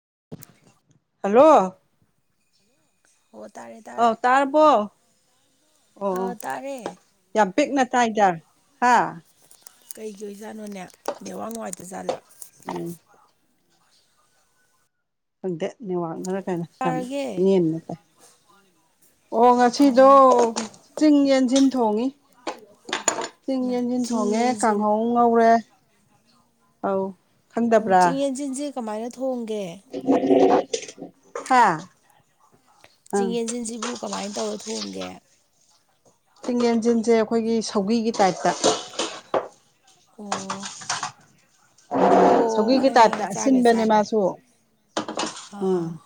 [unintelligible] hello ꯑꯣ ꯇꯥꯔꯦ ꯑ ꯇꯥꯔꯦ ꯇꯔꯔꯕꯣ ꯑꯣ ꯑ ꯇꯥꯔꯦ ꯌꯥꯝ ꯄꯤꯛꯅ ꯇꯥꯏꯗꯔ ꯍꯥꯥ ꯀꯩꯒꯤ ꯑꯣꯏꯖꯥꯠꯅꯣꯅꯦ ꯅꯦꯋꯥꯡ ꯋꯥꯥꯏꯇꯖꯥꯠꯂꯥ ꯎꯝ ꯈꯪꯗꯦ ꯅꯋꯥꯛꯅꯔ ꯀꯥꯏꯩꯅꯣ ꯌꯥꯝ ꯇꯥꯔꯒꯦ ꯅꯦꯝꯅ ꯀꯥꯏ ꯑꯣ ꯉꯁꯤꯗꯣ ꯎꯝ ꯆꯤꯡ ꯌꯦꯟꯁꯤꯟ ꯊꯣꯡꯉꯤ ꯆꯤꯡ ꯃꯥ ꯌꯦꯟꯁꯤꯟ ꯆꯤꯡ ꯊꯣꯡꯉꯦ ꯌꯦꯟꯖꯤꯟ ꯀꯥꯡꯍꯧ ꯉꯧꯔꯦ ꯑꯧ ꯑꯣ ꯈꯪꯗꯕ꯭ꯔꯥ ꯆꯤꯡ ꯌꯦꯟꯁꯤꯟꯁꯦ ꯀꯃꯥꯏꯅ ꯊꯣꯡꯒꯦ ꯍꯥꯥ ꯆꯤꯡ ꯌꯦꯟꯁꯤꯟꯁꯤꯕꯨ ꯀꯃꯥꯏꯅ ꯇꯧꯔ ꯊꯣꯡꯒꯦ ꯆꯤꯡ ꯌꯦꯦꯟꯖꯤꯟꯁꯦ ꯑꯩꯈꯣꯏꯒꯤ ꯁꯧꯒꯤꯒꯤ ꯇꯥꯏꯞꯇ ꯑꯣ ꯑꯣ ꯁꯧꯒꯤꯒꯤ ꯈꯪꯉꯦ ꯇꯥꯏꯞꯇ ꯈꯪꯉꯦ ꯆꯥꯒ꯭ꯔꯦ ꯑꯁꯤꯟꯕꯅꯦ ꯆꯥꯒ꯭ꯔꯦ ꯃꯥꯁꯨ ꯑꯥ ꯎꯝ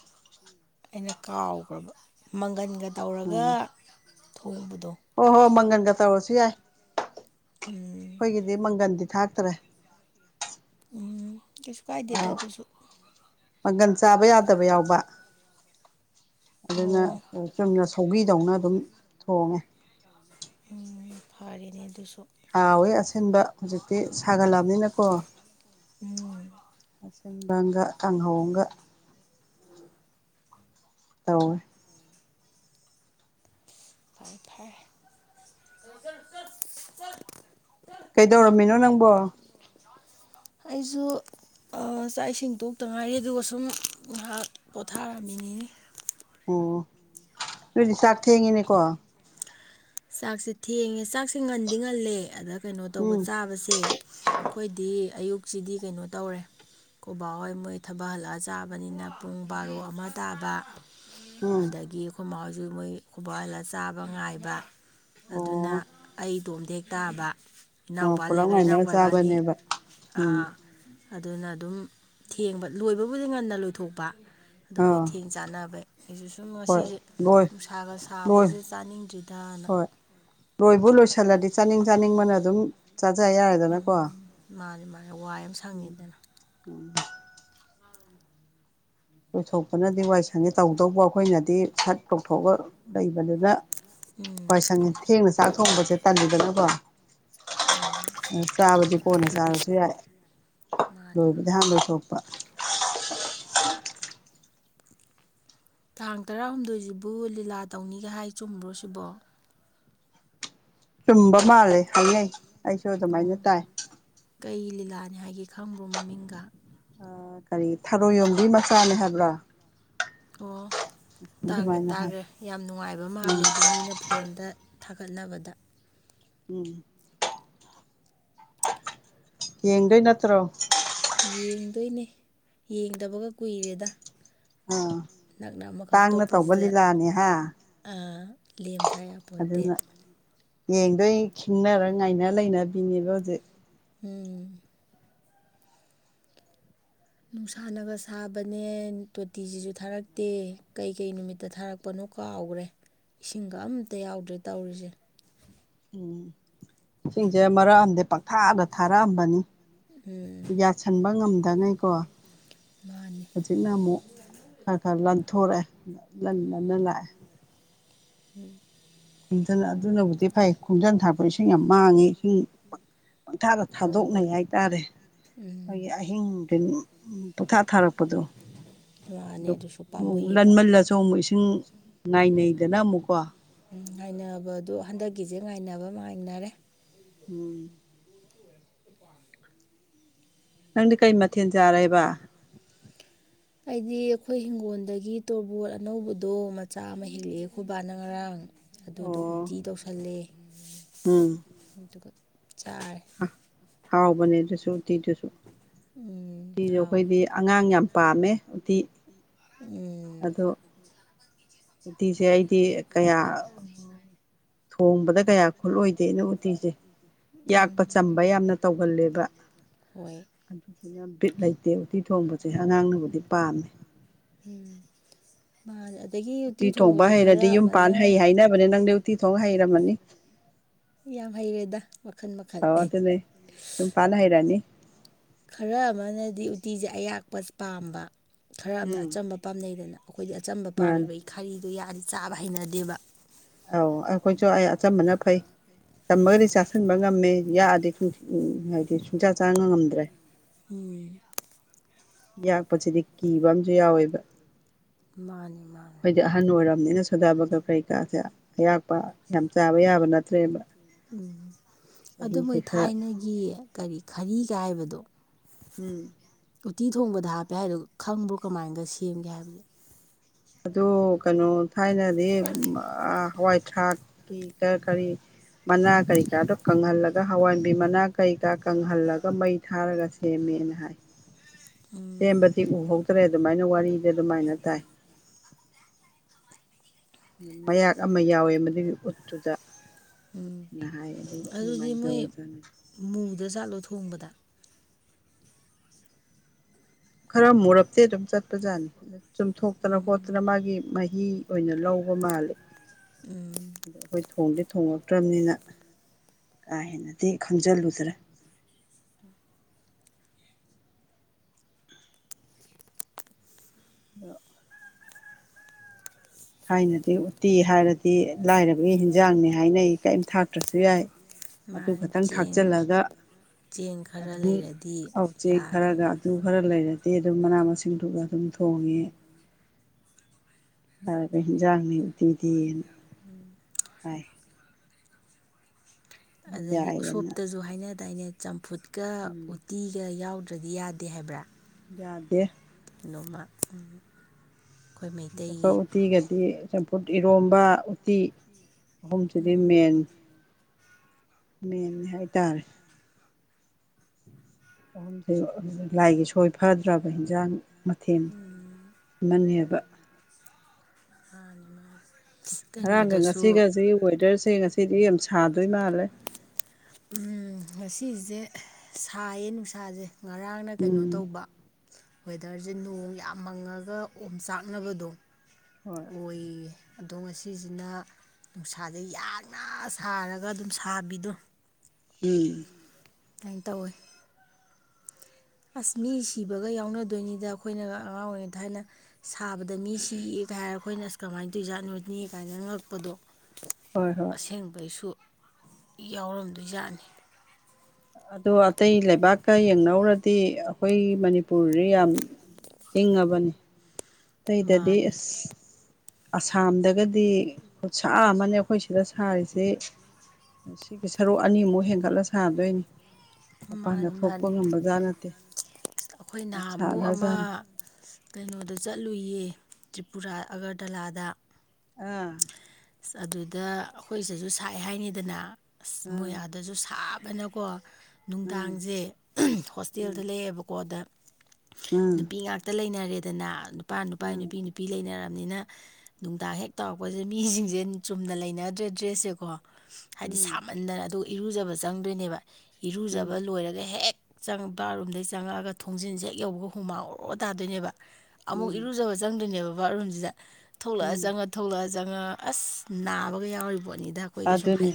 ꯑꯩꯅ ꯀꯥꯎꯈ꯭ꯔꯕ ꯃꯪꯒꯟꯒ ꯇꯧꯔꯒ ꯎꯝ ꯊꯣꯡꯕꯗꯣ ꯍꯣꯏ ꯍꯣꯏ ꯃꯪꯒꯟꯒ ꯇꯧꯔꯁꯨ ꯌꯥꯏ ꯎꯝ ꯑꯩꯈꯣꯏꯒꯤꯗꯤ ꯃꯪꯒꯟꯗꯤ ꯊꯠꯇ꯭ꯔꯦ ꯎꯝ ꯀꯩꯁꯨ ꯀꯥꯏꯗꯦꯗ ꯑꯗꯨꯁꯨ ꯃꯪꯒꯟ ꯆꯥꯕ ꯌꯥꯗꯕ ꯌꯥꯎꯕ ꯑꯗꯨꯅ ꯑꯣ ꯆꯨꯝꯅ ꯁꯧꯕꯤ ꯗꯧꯅ ꯑꯗꯨꯝ ꯊꯣꯡꯉꯦ ꯎꯝ ꯐꯔꯅꯦ ꯑꯗꯨꯁꯨ ꯍꯥꯎꯋꯦ ꯑꯁꯤꯟꯕ ꯍꯧꯖꯤꯛꯇꯤ ꯁꯥꯒꯠꯂꯕꯅꯤꯅꯀꯣ ꯎꯝ ꯇꯤꯡꯕꯪꯒ ꯀꯥꯡꯥꯡꯍꯣꯡꯒ ꯇꯧ ꯐꯔ ꯐꯔ ꯀꯩꯗꯧꯔꯝꯃꯤꯅꯣ ꯅꯪꯕꯣ ꯑꯩꯁꯨ ꯆꯥꯛ ꯏꯁꯤꯡ ꯇꯣꯛꯇ ꯉꯥꯏꯔꯤ ꯑꯗꯨꯒ ꯁꯨꯝ ꯉꯥꯏꯍꯥꯛ ꯄꯣꯊꯥꯔꯝꯃꯤꯅꯤꯅꯤ ꯑꯣ ꯑꯗꯨꯣꯏꯗꯤ ꯆꯥꯛ ꯊꯦꯡꯉꯤꯅꯦꯀꯣ ꯆꯥꯛꯁꯦ ꯊꯦꯡꯉꯦ ꯆꯥꯛꯁꯦ ꯉꯟꯗꯤ ꯉꯜꯂꯦ ꯑꯗ ꯀꯩꯅꯣ ꯇꯧꯕ ꯎꯝ ꯆꯥꯕꯁꯦ ꯑꯩꯈꯣꯏꯗꯤ ꯑꯌꯨꯛꯁꯤꯗꯤ ꯀꯩꯅꯣ ꯇꯧꯔꯦ ꯀꯣꯕꯥ ꯍꯣꯏ ꯃꯣꯏ ꯊꯕꯛ ꯍꯜꯂꯛꯑ ꯆꯥꯕꯅꯤꯅ ꯄꯨꯡ ꯕꯥꯔꯣ ꯑꯃ ꯇꯥꯕ ꯎꯝ ꯑꯗꯒꯤ ꯈꯨꯃꯥꯎꯁꯨ ꯃꯣꯏ ꯈꯨꯕꯥꯛ ꯍꯜꯂ ꯆꯥꯕ ꯉꯥꯏꯕ ꯑꯗꯨꯅ ꯑꯣ ꯑꯩ ꯇꯣꯝꯗꯦꯛ ꯇꯥꯕ ꯑꯣ ꯏꯅꯥꯎꯄꯥ ꯄꯨꯂꯞ ꯂꯩꯔꯒ ꯉꯥꯏꯅ ꯏꯅꯥꯎꯄꯥ ꯏꯕꯥꯅꯤ ꯆꯥꯕꯅꯦꯕ ꯎꯝ ꯑꯥ ꯑꯗꯨꯅ ꯑꯗꯨꯝ ꯊꯦꯡꯕ ꯂꯣꯏꯕꯕꯨꯗꯤ ꯉꯟꯅ ꯂꯣꯏꯊꯣꯛꯄ ꯑꯗꯨ ꯃꯣꯏ ꯑꯥ ꯊꯦꯡ ꯆꯥꯟꯅꯕꯩ ꯑꯩꯁꯨ ꯁꯨꯝ ꯍꯣꯏ ꯉꯁꯤꯁꯦ ꯂꯣꯏ ꯅꯨꯡꯁꯥꯒ ꯂꯣꯏ ꯁꯥꯕꯁꯦ ꯆꯥꯅꯤꯡꯗ꯭ꯔꯤꯗꯅ ꯍꯣꯏ ꯂꯣꯏꯕꯨ ꯂꯣꯏꯁꯤꯜꯂꯗꯤ ꯆꯥꯅꯤꯡ ꯆꯥꯅꯤꯡꯕꯅ ꯑꯗꯨꯝ ꯆꯥꯖ ꯌꯥꯔꯦꯗꯅꯀꯣ ꯎꯝ ꯃꯥꯅꯤ ꯃꯥꯅꯤ ꯋꯥꯏ ꯑꯃ ꯁꯪꯉꯤꯗꯅ ꯎꯝ ꯄꯨꯊꯣꯛꯄꯅꯗꯤ ꯋꯥꯏꯁꯦ ꯁꯪꯉꯦ ꯇꯧꯗꯧꯕ ꯑꯩꯈꯣꯏꯅꯗꯤ ꯁꯠ ꯇꯧꯊꯣꯛꯒ ꯂꯩꯕꯗꯨꯅ ꯎꯝ ꯋꯥꯏ ꯁꯪꯉꯦ ꯊꯦꯡꯅ ꯆꯥꯛ ꯊꯣꯡꯕꯁꯦ ꯇꯜꯂꯤꯗꯅꯥꯀꯣ ꯎꯝ ꯑ ꯆꯥꯕꯗꯤ ꯀꯣꯟꯅ ꯆꯥꯔꯁꯨ ꯌꯥꯏ ꯃꯥꯅꯤ ꯂꯣꯏꯕꯗꯤ ꯃꯥꯅꯤ ꯍꯥꯟ ꯂꯣꯏꯊꯣꯛꯄ ꯇꯥꯡ ꯇꯔꯥꯍꯨꯝꯗꯣꯏꯖꯤꯕꯨ ꯂꯤꯂꯥ ꯇꯧꯅꯤꯒ ꯍꯥꯏ ꯆꯨꯝꯕ꯭ꯔꯣ ꯁꯤꯕꯣ ꯆꯨꯝꯕ ꯃꯥꯜꯂꯦ ꯍꯥꯏꯅꯩ ꯑꯩꯁꯨ ꯑꯗꯨꯃꯥꯏꯅ ꯑꯣ ꯇꯥꯏ ꯀꯩ ꯂꯤꯂꯥꯅꯤ ꯍꯥꯏꯒꯦ ꯈꯪꯕ꯭ꯔꯣ ꯃꯃꯤꯡꯒ ꯀꯔꯤ ꯊꯔꯣꯏ ꯌꯣꯝꯕꯤ ꯃꯆꯥꯅꯦ ꯍꯥꯏꯕ꯭ꯔꯥ ꯑꯣ ꯇꯥꯒ꯭ꯔꯦ ꯑꯗꯨꯃꯥꯏꯅ ꯍꯥꯏ ꯇꯥꯒ꯭ꯔꯦ ꯌꯥꯝ ꯅꯨꯡꯉꯥꯏꯕ ꯎꯝ ꯃꯥꯜꯂꯦ ꯑꯗꯨ ꯃꯤꯅ ꯐꯣꯟꯗ ꯊꯥꯒꯠꯅꯕꯗ ꯎꯝ ꯌꯦꯡꯗꯩ ꯅꯠꯇ꯭ꯔꯣ ꯌꯦꯡꯗꯣꯏꯅꯦ ꯌꯦꯡꯗꯕꯒ ꯀꯨꯏꯔꯦꯗ ꯑꯥ ꯅꯛꯅ ꯑꯃꯈꯛ ꯇꯥꯡꯅ ꯇꯧꯕ ꯂꯤꯂꯥꯅꯦ ꯍꯥ ꯂꯦꯝꯗ ꯑꯗꯨꯅ ꯌꯦꯡꯗꯣꯏ ꯈꯤꯡꯅꯔ ꯉꯥꯏꯅ ꯂꯩꯅꯕꯤꯅꯦꯕ ꯍꯧꯖꯤꯛ ꯎꯝ ꯅꯨꯡꯁꯥꯅꯒ ꯁꯥꯕꯅꯦ ꯇꯣꯇꯤꯖꯤꯖꯨ ꯊꯥꯔꯛꯇꯦ ꯀꯩꯀꯩ ꯅꯨꯃꯤꯠꯇ ꯊꯥꯔꯛꯄꯅꯣ ꯀꯥꯎꯒ꯭ꯔꯦ ꯏꯁꯤꯡꯒ ꯑꯝꯇ ꯌꯥꯎꯗ꯭ꯔꯦ ꯇꯧꯔꯤꯖꯦ ꯎꯝ ꯁꯤꯡꯁꯦ ꯃꯔꯛ ꯑꯝꯗꯤ ꯄꯪꯊꯥꯗ ꯊꯥꯔꯛꯑꯝꯕꯅꯤ ꯎꯝ ꯌꯥꯁꯟꯕ ꯉꯝꯗꯉꯩ ꯀꯣ ꯃꯥꯅꯤ ꯍꯨꯆꯤꯛꯅ ꯑꯃꯨꯛ ꯈꯥ ꯈꯥ ꯂꯟ ꯊꯣꯔꯛꯑꯦ ꯂꯟ ꯂꯟꯅ ꯂꯥꯛꯑꯦ ꯎꯝ ꯅꯗꯨꯅ ꯑꯗꯨꯅꯕꯨꯗꯤ ꯐꯩ ꯈꯣꯝꯖꯟ ꯊꯥꯔꯛꯄꯗꯣ ꯏꯁꯤꯡ ꯌꯥꯝ ꯃꯥꯡꯉꯤ ꯏꯁꯤꯡ ꯄꯪꯊꯥꯗ ꯍꯣꯏ ꯊꯥꯗꯣꯛꯅꯩ ꯍꯣꯏ ꯍꯥꯏꯇꯥꯔꯦ ꯎꯝ ꯑꯩꯈꯣꯏꯒꯤ ꯑꯍꯤꯡ ꯅꯨꯡꯊꯤꯜ ꯄꯨꯊꯥ ꯊꯥꯔꯛꯄꯗꯣ ꯃꯥꯅꯦ ꯗꯨ ꯑꯗꯨꯁꯨ ꯑꯃꯨꯛ ꯄꯥꯝꯃꯨꯏꯌꯦꯕ ꯂꯟꯃꯜꯂꯁꯨ ꯑꯃꯨꯛ ꯏꯁꯤꯡ ꯉꯥꯏꯅꯩꯗꯅ ꯑꯃꯨꯛꯀꯣ ꯎꯝ ꯉꯥꯏꯅꯕꯗꯣ ꯍꯟꯗꯛꯀꯤꯖꯦ ꯉꯥꯏꯅꯕ [unintelligible] ꯉꯥꯏꯅꯔꯦ ꯎꯝ ꯅꯪꯗꯤ ꯀꯩ ꯃꯊꯦꯜ ꯆꯥꯔꯩꯕ ꯑꯩꯗꯤ ꯑꯩꯈꯣꯏ ꯏꯤꯡꯒꯣꯜꯗꯒꯤ ꯇꯣꯔꯕꯣꯠ ꯑꯅꯧꯕꯗꯣ ꯃꯆꯥ ꯑꯃ ꯍꯦꯛꯂꯛꯑꯦ ꯑꯩꯈꯣꯏ ꯕꯥꯅ ꯉꯔꯥꯡ ꯑꯗꯨꯗꯣ ꯑꯣ ꯎꯇꯤ ꯇꯧꯁꯜꯂꯦ ꯎꯝ ꯑꯗꯨꯒ ꯆꯥꯔꯦ ꯍꯥꯎꯕꯅꯦ ꯑꯗꯨꯁꯨ ꯎꯇꯤꯗꯨꯁꯨ ꯎꯝ ꯎꯇꯤꯗꯣ ꯍꯥꯎꯋꯤ ꯑꯩꯈꯣꯏꯗꯤ ꯑꯉꯥꯡ ꯌꯥꯝ ꯄꯥꯝꯃꯦ ꯎꯇꯤ ꯎꯝ ꯑꯗꯣ ꯇꯤꯁꯦ ꯑꯩꯗꯤ ꯀꯌꯥ ꯊꯣꯡꯕꯗ ꯀꯌꯥ ꯈꯨꯠꯂꯣꯏꯗꯦ ꯑꯩꯅ ꯎꯇꯤꯁꯦ ꯌꯥꯛꯄ ꯎꯝ ꯆꯝꯕ ꯌꯥꯝꯅ ꯇꯧꯒꯜꯂꯦꯕ ꯍꯣꯏ ꯑꯗꯨꯗꯨꯅ ꯕꯤꯠ ꯂꯩꯇꯦ ꯎꯇꯤ ꯊꯣꯡꯕꯁꯦ ꯑꯉꯥꯡꯅꯕꯨꯗꯤ ꯄꯥꯝꯃꯦ ꯎꯝ ꯃꯥ [unintelligible] ꯑꯗꯒꯤ ꯎꯇꯤ ꯊꯣꯡꯕ ꯊꯣꯡꯕꯁꯦ ꯍꯩꯔꯗꯤ ꯈꯔ ꯌꯨꯝ ꯄꯥꯟ ꯍꯩ ꯑꯃꯅ ꯍꯥꯏꯅꯕꯅꯦ ꯅꯪꯗꯤ ꯎꯇꯤ ꯊꯣꯡ ꯍꯩꯔꯝꯃꯅꯤ ꯌꯥꯝ ꯍꯩꯔꯦꯗ ꯃꯈꯜ ꯃꯈꯜ ꯑꯧ ꯑꯗꯨꯅꯦ ꯌꯨꯝ ꯄꯥꯟ ꯍꯩꯔꯅꯤ ꯈꯔ ꯑꯃꯅꯗꯤ ꯎꯇꯤꯖꯦ ꯑꯌꯥꯛꯄ ꯄꯥꯝꯕ ꯈꯔ ꯑꯃꯅ ꯎꯝ ꯑꯆꯝꯕ ꯄꯥꯝꯅꯩꯗꯅ ꯑꯈꯣꯏꯗꯤ ꯑꯆꯝꯕ ꯃꯥꯅꯦ ꯄꯥꯝꯃꯦꯕ ꯑꯩ ꯈꯥꯔꯤꯗꯣ ꯌꯥꯛꯑꯗꯤ ꯆꯥꯕ ꯍꯩꯅꯗꯦꯕ ꯑꯧ ꯑꯩꯈꯣꯏꯁꯨ ꯑꯩ ꯑꯆꯝꯕꯅ ꯐꯩ ꯆꯝꯃꯒꯗꯤ ꯆꯥꯁꯟꯕ ꯉꯝꯃꯦ ꯌꯥꯗꯤ ꯁꯨꯡ [unintelligible] ꯍꯥꯏꯗꯤ ꯁꯨꯡꯁꯥ ꯆꯥ ꯉꯝꯗ꯭ꯔꯦ ꯎꯝ ꯌꯥꯛꯄꯁꯤꯗꯤ ꯀꯤꯕꯝꯁꯨ ꯌꯥꯎꯋꯦꯕ ꯃꯥꯅꯦ ꯃꯥꯅꯦ ꯑꯩꯈꯣꯏꯗꯤ ꯑꯍꯜ ꯑꯣꯏꯔꯕꯅꯤꯅ ꯁꯣꯗꯥꯕꯒ ꯀꯩꯀꯥꯁꯦ ꯑꯌꯥꯛꯄ ꯌꯥꯝ ꯆꯥꯕ ꯌꯥꯕ ꯅꯠꯇ꯭ꯔꯦꯕ ꯑꯗꯨ ꯆꯍꯤꯁꯦ ꯃꯣꯏ ꯈꯔ ꯊꯥꯏꯅꯒꯤ ꯀꯔꯤ ꯈꯔꯤꯒ ꯍꯥꯏꯕꯗꯣ ꯎꯝ ꯎꯇꯤ ꯊꯣꯡꯕꯗ ꯍꯥꯞꯄꯦ ꯍꯥꯏꯗꯨ ꯈꯪꯕ꯭ꯔꯣ ꯀꯃꯥꯏꯅꯒ ꯁꯦꯝꯒꯦ ꯍꯥꯏꯕꯗꯨ ꯑꯗꯨ ꯀꯩꯅꯣ ꯊꯥꯏꯅꯗꯤ ꯑ ꯍꯋꯥꯏ ꯊꯔꯥꯛꯀꯤ ꯀꯔꯤ ꯀꯔꯤ ꯃꯅꯥ ꯀꯔꯤꯀꯥꯗꯣ ꯀꯪꯍꯜꯂꯒ ꯍꯋꯥꯏꯟꯕꯤ ꯃꯅꯥ ꯀꯔꯤ ꯀꯥ ꯀꯪꯍꯜꯂꯒ ꯃꯩ ꯊꯥꯔꯒ ꯁꯦꯝꯃꯤ ꯅ ꯍꯥꯏ ꯎꯝ ꯁꯦꯝꯕꯗꯤ ꯎꯍꯧꯗ꯭ꯔꯦ ꯑꯗꯨꯃꯥꯏꯅ ꯋꯥꯔꯤꯗ ꯑꯗꯨꯃꯥꯏꯅ ꯇꯥꯏ ꯃꯌꯥꯛ ꯑꯃ ꯌꯥꯎꯋꯦ ꯃꯗꯨꯒꯤ ꯎꯠꯇꯨꯗ ꯎꯝ ꯉꯍꯥꯛ ꯑꯗꯨ ꯑꯗꯨꯗꯤ ꯑꯗꯨꯃꯥꯏꯅ ꯇꯧꯔ ꯃꯣꯏ ꯆꯠꯅꯤ ꯃꯨꯗꯖꯥꯠꯂꯣ ꯊꯣꯡꯕꯗ ꯈꯔ ꯃꯨꯔꯞꯇꯦ ꯑꯗꯨꯝ ꯆꯠꯄꯖꯥꯠꯅꯤ ꯆꯨꯝꯊꯣꯛꯇꯅ ꯎꯝ ꯈꯣꯠꯇꯅ ꯃꯥꯒꯤ ꯃꯍꯤ ꯑꯣꯏꯅ ꯂꯧꯕ ꯃꯥꯜꯂꯤ ꯎꯝ ꯑꯗꯣ ꯑꯩꯈꯣꯏ ꯊꯣꯡꯗꯤ ꯊꯣꯡꯂꯛꯇ꯭ꯔꯕꯅꯤꯅ ꯀꯥ ꯍꯦꯟꯅꯗꯤ ꯈꯪꯖꯤꯜꯂꯨꯗ꯭ꯔꯦ ꯎ ꯑꯗꯣ ꯊꯥꯏꯅꯗꯤ ꯎꯇꯤ ꯍꯥꯏꯔꯗꯤ ꯂꯥꯏꯔꯕꯒꯤ ꯍꯤꯟꯖꯥꯡꯅꯤ ꯍꯥꯏꯅ ꯑꯩ ꯀꯔꯤꯝ ꯊꯥꯛꯇ꯭ꯔꯁꯨ ꯌꯥꯏ ꯑꯗꯨ ꯃꯥꯅꯦ ꯈꯇꯪ ꯆꯦꯡ ꯈꯥꯛꯆꯜꯂꯒ ꯆꯦꯡ ꯈꯔ ꯑꯗꯨꯝ ꯂꯩꯔꯗꯤ ꯄ ꯎꯆꯦꯛ ꯈꯔꯒ ꯌꯥꯔꯦꯅ ꯑꯗꯨ ꯈꯔ ꯂꯩꯔꯗꯤ ꯑꯗꯨꯝ ꯃꯅꯥ ꯃꯁꯤꯡꯗꯨꯒ ꯑꯗꯨꯝ ꯊꯣꯡꯉꯤ ꯍꯥꯏꯒ ꯍꯟꯖꯥꯡꯅꯤꯗꯤꯗꯅ ꯍꯥꯏ ꯑꯗꯨꯝ ꯑꯗꯒꯤ ꯌꯥꯏꯌꯦꯅ ꯎꯁꯣꯞꯇꯁꯨ ꯍꯥꯏꯅ ꯑꯗꯨꯗꯥꯏꯅꯦ ꯆꯝꯐꯨꯠꯀ ꯎꯝ ꯎꯇꯤꯒ ꯌꯥꯎꯗ꯭ꯔꯗꯤ ꯌꯥꯗꯦ ꯍꯥꯏꯕ꯭ꯔꯥ ꯌꯥꯗꯦ ꯅꯣꯃ ꯆꯝꯐꯨꯠꯀ ꯎꯠꯇꯤꯒꯗꯤ ꯆꯝꯐꯨꯠ ꯏꯔꯣꯝꯕ ꯎꯇꯤ ꯑꯍꯨꯝꯁꯤꯗꯤ ꯃꯦꯟ ꯃꯦꯟꯅꯤ ꯍꯥꯏꯇꯥꯔꯦ ꯎ ꯑꯍꯨꯝꯊꯨ ꯑꯗꯨꯗ ꯂꯥꯏꯒꯤ ꯁꯣꯏ ꯐꯗ꯭ꯔꯕ ꯍꯟꯖꯥꯡ ꯃꯊꯦꯜ ꯑꯃꯅꯦꯕ ꯑꯅꯤ ꯃꯥ ꯉꯔꯥꯡꯒ ꯉꯁꯤꯒꯁꯤ ꯋꯦꯗꯔꯁꯦ ꯉꯁꯤꯗꯤ ꯌꯥꯝ ꯁꯥꯗꯣꯏ ꯃꯥꯜꯂꯦ ꯎꯝ ꯁꯤꯁꯦ ꯁꯌꯦ ꯅꯨꯡꯁꯥꯁꯦ ꯉꯔꯥꯡꯅ ꯀꯩꯅꯣ ꯎꯝ ꯇꯧꯕ ꯋꯦꯗꯔꯁꯦ ꯅꯣꯡ ꯌꯥꯝ ꯃꯪꯉꯒ ꯑꯣꯝ ꯆꯥꯛꯅꯕꯗꯣ ꯍꯣꯏ ꯑꯣꯏꯌꯦ ꯑꯗꯣ ꯉꯁꯤꯁꯤꯅ ꯅꯨꯡꯁꯥꯗꯩ ꯌꯥꯡꯅ ꯁꯥꯔꯒ ꯑꯗꯨꯝ ꯁꯥꯕꯤꯗꯣ ꯎꯝ ꯀꯥꯏꯅ ꯇꯧꯋꯤ ꯑꯁ ꯃꯤ ꯁꯤꯕꯒ ꯌꯥꯎꯅꯗꯣꯏꯅꯤꯗ ꯑꯩꯈꯣꯏꯅ ꯑꯉꯥꯡ ꯑꯣꯏꯔꯤꯉꯩꯗ ꯊꯥꯏꯅ ꯁꯥꯕꯗ ꯃꯤ ꯁꯤ ꯁꯤꯗ ꯍꯥꯏꯔꯒ ꯑꯩꯈꯣꯏꯅ ꯑꯁ ꯀꯃꯥꯏꯅ ꯇꯧꯖꯥꯠꯅꯣꯅꯤ ꯀꯥꯏꯅ ꯉꯛꯄꯗꯣ ꯍꯣꯏ ꯍꯣꯏ ꯑꯁꯦꯡꯕꯩꯁꯨ ꯌꯥꯎꯔꯝꯗꯣꯏꯖꯠꯅꯤ ꯑꯗꯣ ꯑꯇꯩ ꯂꯩꯕꯥꯛꯀ ꯌꯦꯡꯅꯕ ꯍꯧꯔꯗꯤ ꯑꯩꯈꯣꯏ ꯃꯅꯤꯄꯨꯔꯁ ꯌꯥꯝ ꯏꯪꯉꯕꯅꯤ ꯇꯩꯗꯗꯤ ꯃꯥꯅꯤ ꯑꯁ ꯑꯁꯥꯝꯗꯒꯗꯤ ꯈꯨꯠꯁꯥ ꯑꯃꯅꯦ ꯑꯩꯈꯣꯏ ꯁꯤꯗ ꯁꯥꯔꯤꯁꯤ ꯁꯤꯒꯤ ꯁꯔꯨꯛ ꯑꯅꯤꯃꯨꯛ ꯍꯦꯟꯒꯠꯂ ꯁꯥꯗꯣꯏꯅꯤ ꯃꯄꯥꯟꯗ ꯃꯥꯅꯤ ꯊꯣꯛꯄ ꯃꯥꯅꯤ ꯉꯝꯕꯖꯥꯠ ꯅꯠꯇꯦ ꯑꯩꯈꯣꯏ ꯌꯥꯝ ꯅꯍꯥꯟꯃꯨꯛ ꯑꯃ ꯁꯥꯈ꯭ꯔꯖꯥꯠꯅꯤ ꯀꯩꯅꯣꯗ ꯆꯠꯂꯨꯏꯌꯦ ꯇ꯭ꯔꯤꯄꯨꯔꯥ ꯑꯒꯔꯇꯂꯥꯗ ꯑꯥ ꯑꯁ ꯑꯗꯨꯗ ꯑꯩꯈꯣꯏꯁꯤꯁꯨ ꯁꯥꯏ ꯍꯥꯏꯅꯤꯗꯅ ꯑꯁ ꯑꯥ ꯃꯣꯏ ꯑꯥꯗꯁꯨ ꯑꯅꯀꯣ ꯑꯥ ꯅꯨꯡꯗꯥꯡꯁꯦ ꯎꯝ ꯍꯣꯁꯇꯦꯜꯗ ꯂꯩꯛꯑꯦꯕꯀꯣ ꯑꯗ ꯑꯥ ꯅꯨꯄꯤ ꯉꯥꯛꯇ ꯂꯩꯅꯔꯦꯗꯅ ꯅꯨꯄꯥ ꯅꯨꯄꯥ ꯑꯥ ꯅꯨꯄꯤ ꯅꯨꯄꯤ ꯂꯩꯅꯔꯕ ꯕꯅꯤꯅ ꯅꯨꯡꯗꯥꯡ ꯍꯦꯛ ꯇꯧꯔꯛꯄꯁꯦ ꯃꯤꯁꯤꯡꯁꯦ ꯆꯨꯝꯅ ꯂꯩꯅꯗ꯭ꯔꯦ ꯗ꯭ꯔꯦꯁ ꯁꯦꯀꯣ ꯍꯥꯏꯗꯤ ꯎꯝ ꯁꯥꯃꯟꯗꯅ ꯑꯗꯨꯒ ꯏꯔꯨꯖꯕ ꯆꯪꯗꯣꯏꯅꯦꯕ ꯎꯝ ꯏꯔꯨꯖꯕ ꯂꯣꯏꯔꯒ ꯍꯦꯛ ꯪ ꯕꯥꯠꯔꯨꯝꯗꯒꯤ ꯆꯪꯉꯛꯑꯒ ꯊꯣꯡꯖꯤꯟꯁꯦ ꯍꯦꯛ ꯌꯧꯕꯒ ꯍꯨꯃꯥꯎꯔꯣ ꯇꯥꯗꯣꯏꯅꯦꯕ ꯑꯃꯨꯛ ꯎꯝ ꯏꯔꯨꯖꯕ ꯆꯪꯗꯣꯏꯅꯦꯕ ꯕꯥꯠꯔꯨꯝꯁꯤꯗ ꯊꯣꯛꯂꯛꯑ ꯎꯝ ꯆꯪꯉ ꯊꯣꯛꯂꯛꯑ ꯖ ꯑꯁ ꯅꯥꯕꯒ ꯌꯥꯎꯔꯤꯕꯣ ꯑꯖꯅꯤ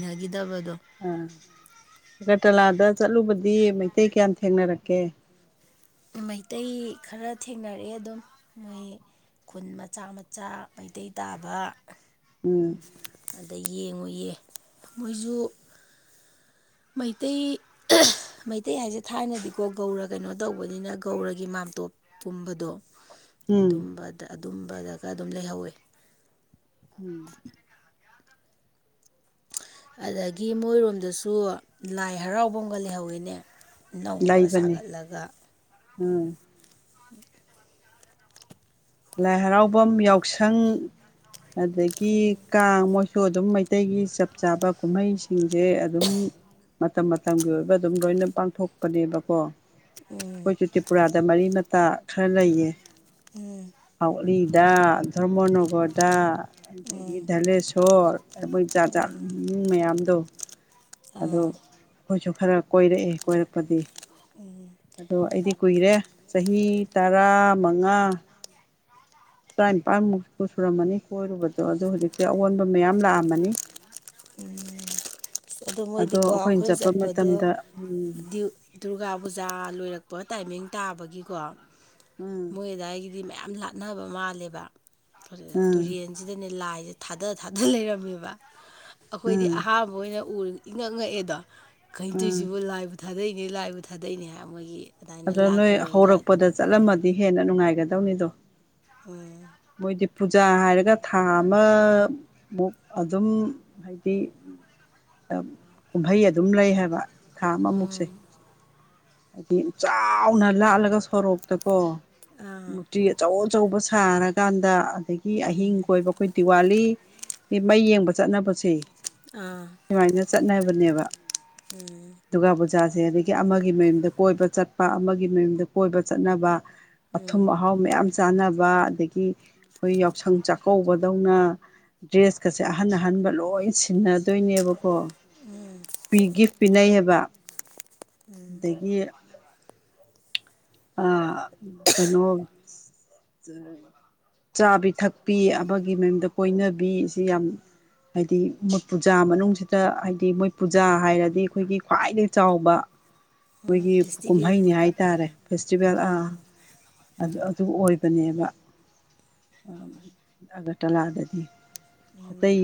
ꯑꯒꯇ ꯂꯥꯗ ꯆꯠꯂꯨꯕꯗꯤ ꯃꯩꯇꯩ ꯀꯌꯥꯝ ꯊꯦꯡꯅꯔꯛꯀꯦ ꯃꯩꯇꯩ ꯈꯔ ꯊꯦꯡꯅꯔꯛꯑꯦ ꯑꯗꯨꯝ ꯃꯣꯏ ꯈꯨꯟ ꯃꯆꯥ ꯃꯆꯥ ꯃꯩꯇꯩ ꯇꯥꯕ ꯎꯝ ꯑꯗ ꯌꯦꯡꯉꯨꯌꯦ ꯃꯣꯏꯁꯨ ꯃꯩꯇꯩ ꯃꯩꯇꯩ ꯍꯥꯏꯁꯦ ꯊꯥꯏꯅꯗꯤꯀꯣ ꯒꯧꯔ ꯀꯩꯅꯣ ꯇꯧꯕꯅꯤꯅ ꯒꯧꯔꯒꯤ ꯃꯥ ꯑꯇꯣꯞ ꯄꯨꯝꯕꯗꯣ ꯎꯝ ꯑꯗꯨꯝꯕꯗ ꯑꯗꯨꯝꯕꯗꯒ ꯑꯗꯨꯝ ꯂꯩꯍꯧꯋꯦ ꯎꯝ ꯑꯗꯒꯤ ꯃꯣꯏꯔꯣꯝꯗꯁꯨ ꯂꯥꯏ ꯍꯔꯥꯎꯕ ꯑꯃꯒ ꯂꯩꯍꯧꯋꯤꯅꯦ ꯅꯧꯅ ꯂꯩꯕꯅꯦ ꯁꯥꯒꯠꯂꯒ ꯎꯝ ꯍ ꯂꯥꯏ ꯍꯔꯥꯎꯐꯝ ꯌꯥꯎꯁꯪ ꯑꯗꯒꯤ ꯀꯥꯡ ꯃꯣꯏ ꯁꯨ ꯑꯗꯨꯝ ꯃꯩꯇꯩꯒꯤ ꯆꯞ ꯆꯥꯕ ꯀꯨꯝꯍꯩꯁꯤꯡꯁꯦ ꯑꯗꯨꯝ ꯃꯇꯝ ꯃꯇꯝꯒꯤ ꯑꯣꯏꯕ ꯑꯗꯨꯝ ꯂꯣꯏꯅ ꯄꯥꯡꯊꯣꯛꯄꯅꯦꯕꯀꯣ ꯎꯝ ꯑꯩꯈꯣꯏ ꯆꯨꯇꯤꯔꯤꯄꯨꯔꯥꯗ ꯃꯔꯤ ꯃꯇꯥ ꯈꯔ ꯂꯩꯌꯦ ꯍꯥꯎꯂꯤꯗ ꯙꯔꯃꯅꯒꯔꯗ ꯑꯗꯒꯤ ꯙꯂꯦꯁꯣꯔ ꯃꯣꯏ ꯖꯥꯠꯖꯥꯠ ꯃꯌꯥꯝꯗꯣ ꯑꯣ ꯑꯥ ꯑꯩꯈꯣꯏꯁꯨ ꯈꯔ ꯀꯣꯏꯔꯛꯑꯦ ꯀꯣꯏꯔꯛꯄꯗꯤ ꯑꯗꯣ ꯑꯩꯗꯤ ꯀꯨꯏꯔꯦ ꯆꯍꯤ ꯇꯔꯥ ꯃꯉꯥ ꯇꯔꯥꯅꯤꯄꯥꯟꯃꯨꯛ ꯁꯨꯔꯝꯃꯅꯤ ꯀꯣꯏꯔꯨꯕꯗꯣ ꯑꯗꯨ ꯍꯧꯖꯤꯛꯇꯤ ꯑꯑꯣꯟꯕ ꯃꯌꯥꯝ ꯂꯥꯛꯑꯝꯃꯅꯤ ꯎꯝ ꯑꯗꯨ ꯑꯗꯣ ꯃꯣꯏꯗꯤꯀꯣ ꯑꯩꯈꯣꯏꯅ ꯑꯩꯈꯣꯏ ꯆꯠꯄ ꯆꯠꯄꯗꯣ ꯃꯇꯝꯗ ꯎꯝ ꯗꯨꯔꯒꯥ ꯄꯨꯖꯥ ꯂꯣꯏꯔꯛꯄ ꯄꯣ ꯇꯥꯏꯃꯤꯡ ꯇꯥꯕꯒꯤꯀꯣ ꯎꯝ ꯃꯣꯏꯗꯥꯏꯒꯤꯗꯤ ꯃꯌꯥꯝ ꯂꯥꯠꯅꯕ ꯃꯥꯜꯂꯦꯕ ꯎꯝ ꯇꯨꯔꯦꯟꯁꯤꯗꯅꯦ ꯂꯥꯏꯁꯦ ꯊꯥꯗ ꯊꯥꯗ ꯂꯩꯔꯝꯃꯦꯕ ꯑꯩꯈꯣꯏꯗꯤ ꯎꯝ ꯑꯍꯥꯥꯟꯕ ꯑꯣꯏꯅ ꯎꯔ ꯏꯪꯉꯛ ꯉꯛꯑꯦꯗꯣ ꯎꯝ ꯈꯩꯗꯣꯏꯁꯤꯕꯨ ꯂꯥꯏꯕꯨ ꯊꯥꯗꯩꯅꯤ ꯂꯥꯏꯕ ꯊꯥꯗꯩꯅꯤ ꯍꯥꯏꯕ ꯃꯣꯏꯒꯤ ꯑꯗꯨꯃꯥꯏꯅ ꯑꯗꯣ ꯂꯥꯠꯄ ꯅꯣꯏ ꯂꯣꯏꯔꯒ ꯍꯧꯔꯛꯄꯗ ꯆꯠꯂꯝꯃꯗꯤ ꯍꯦꯟꯅ ꯅꯨꯡꯉꯥꯏꯒꯗꯧꯅꯤꯗꯣ ꯃꯣꯏꯗꯤ ꯎ ꯄꯨꯖꯥ ꯍꯥꯏꯔꯒ ꯊꯥ ꯑꯃꯃꯨꯛ ꯑꯗꯨꯝ ꯍꯥꯏꯗꯤ ꯀꯨꯝꯍꯩ ꯑꯗꯨꯝ ꯂꯩ ꯍꯥꯏꯕ ꯈꯥ ꯑꯃꯃꯨꯛꯁꯦ ꯎꯝ ꯍꯥꯏꯗꯤ ꯌꯥꯝ ꯆꯥꯎꯅ ꯂꯥꯜꯂꯒ ꯁꯣꯔꯣꯛꯇ ꯀꯣ ꯑꯥ ꯃꯨꯔꯇꯤ ꯑꯆꯧ ꯑꯆꯧꯕ ꯁꯥꯔꯀꯥꯟꯗ ꯑꯗꯒꯤ ꯑꯍꯤꯡ ꯀꯣꯏꯕ ꯑꯩꯈꯣꯏ ꯗꯤꯋꯥꯂꯤ ꯃꯩ ꯌꯦꯡꯕ ꯆꯠꯅꯕꯁꯦ ꯑꯥ ꯁꯨꯃꯥꯏꯅ ꯆꯠꯅꯕꯅꯦꯕ ꯎꯝ ꯗꯨꯔꯒꯥ ꯄꯨꯖꯥ ꯑ ꯑꯗꯒꯤ ꯑꯃꯒꯤ ꯃꯌꯨꯝꯗ ꯀꯣꯏꯕ ꯆꯠꯄ ꯑꯃꯒꯤ ꯃꯌꯨꯝꯗ ꯀꯣꯏꯕ ꯆꯠꯅꯕ ꯑꯊꯨꯝ ꯎꯝ ꯑꯍꯥꯎ ꯃꯌꯥꯝ ꯆꯥꯅꯕ ꯑꯗꯒꯤ ꯑꯩꯈꯣꯏ ꯌꯥꯎꯁꯪ ꯆꯥꯛꯀꯧꯕꯗꯧꯅ ꯗ꯭ꯔꯦꯁꯀꯁꯦ ꯑꯍꯟ ꯑꯍꯟꯕ ꯂꯣꯏ ꯁꯤꯟꯅꯗꯣꯏꯅꯦꯕꯀꯣ ꯄꯤ ꯒꯤꯐ ꯄꯤꯅꯩ ꯕ ꯎꯝ ꯑꯗꯒꯤ ꯀꯩꯅꯣ ꯆꯥ ꯄꯤ ꯊꯛ ꯇꯥꯛꯄꯤ ꯑꯃꯒꯤ ꯃꯌꯨꯝꯗ ꯀꯣꯏꯅꯕꯤ ꯁꯤ ꯌꯥꯝ ꯍꯥꯏꯗꯤ ꯃꯣꯏꯠ ꯄꯨꯖꯥ ꯃꯅꯨꯡꯁꯤꯗ ꯍꯥꯏꯗꯤ ꯃꯣꯏꯠ ꯄꯨꯖꯥ ꯍꯥꯏꯔꯗꯤ ꯑꯩꯈꯣꯏꯒꯤ ꯈ꯭ꯋꯥꯏꯗꯒꯤ ꯆꯥꯎꯕ ꯑꯗꯨ ꯑꯩꯈꯣꯏꯒꯤ ꯀꯨꯝꯍꯩꯅꯤ ꯍꯥꯏꯇꯥꯔꯦ ꯐ ꯐꯦꯁꯇꯤꯚꯦꯜ ꯑꯗꯨ ꯑꯗꯨ ꯑꯣꯏꯕꯅꯦꯕ ꯑ ꯑꯒ ꯇꯂꯥꯗꯗꯤ ꯑꯇꯩ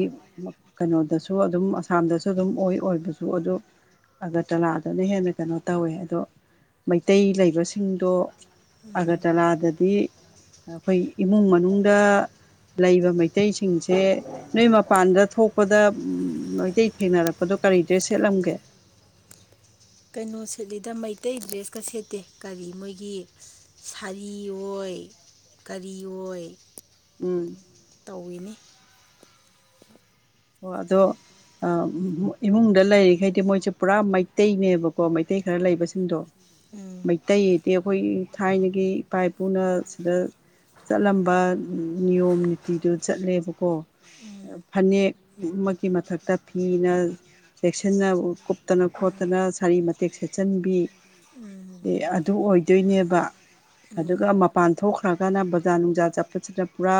ꯀꯩꯅꯣꯗꯁꯨ ꯑꯗꯨꯝ ꯑꯁꯥꯝꯗꯁꯨ ꯑꯗꯨꯝ ꯑꯣꯏ ꯑꯣꯏꯕꯁꯨ ꯑꯗꯨ ꯑꯒꯇꯂꯥꯗꯨꯅ ꯍꯦꯟꯅ ꯀꯩꯅꯣ ꯇꯧꯋꯦ ꯑꯗꯣ ꯃꯩꯇꯩ ꯁꯤꯡꯗꯣ ꯑꯒꯇꯂꯥꯗꯗꯤ ꯑꯩꯈꯣꯏ ꯏꯃꯨꯡ ꯃꯅꯨꯡꯗ ꯂꯩꯕ ꯃꯩꯇꯩꯁꯤꯡꯁꯦ ꯅꯣꯏ ꯃꯄꯥꯟꯗ ꯊꯣꯛꯄꯗ ꯃꯩꯇꯩ ꯊꯦꯡꯅꯔꯛꯄꯗꯣ ꯀꯔꯤꯗ꯭ꯔꯦ ꯁꯦꯠꯂꯝꯒꯦ ꯀꯩꯅꯣ ꯁꯦꯠꯂꯤꯗ ꯃꯩꯇꯩ ꯗ꯭ꯔꯦꯁꯀ ꯁꯦꯠꯇꯦ ꯀꯔꯤ ꯃꯣꯏꯒꯤ ꯁꯥꯔꯤ ꯑꯣꯏ ꯀꯔꯤ ꯑꯣꯏ ꯎꯝ ꯇꯧꯏꯤꯅꯤ ꯑꯣ ꯑꯗꯣ ꯏꯃꯨꯡꯗ ꯂꯩꯔꯤꯈꯩꯗꯤ ꯃꯣꯏꯁꯦ ꯄꯨꯔꯥ ꯃꯩꯇꯩꯅꯦꯕꯀꯣ ꯃꯩꯇꯩ ꯈꯔ ꯂꯩꯕꯁꯤꯡꯗꯣ ꯎꯝ ꯃꯩꯇꯩꯗꯤ ꯑꯩꯈꯣꯏ ꯊꯥꯏꯅꯒꯤ ꯏꯄꯥꯥꯏ ꯄꯨꯅ ꯁꯤꯗ ꯆꯠꯂꯝꯕ ꯅꯤꯌꯣꯝ ꯅꯤꯇꯤꯗꯨ ꯆꯠꯂꯦꯕꯀꯣ ꯎꯝ ꯐꯅꯦꯛ ꯑꯃꯒꯤ ꯃꯊꯛꯇ ꯐꯤꯅ ꯆꯦꯛꯁꯤꯟꯅ ꯀꯨꯞꯇꯅ ꯈꯣꯠꯇꯅ ꯁꯥꯔꯤ ꯃꯇꯦꯛ ꯁꯦꯠꯆꯟꯕꯤ ꯎꯝ ꯑꯗꯨ ꯑꯣꯏꯗꯣꯏꯅꯦꯕ ꯎꯝ ꯑꯗꯨꯒ ꯃꯄꯥꯟ ꯊꯣꯛꯈ꯭ꯔꯒꯅ ꯕꯖꯥꯔ ꯅꯨꯡꯖꯥ ꯆꯠꯄꯁꯤꯗ ꯄꯨꯔꯥ